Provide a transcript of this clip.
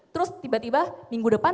terus tiba tiba minggu depan